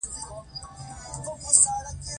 غوماشې تل د انسان وینه څښي.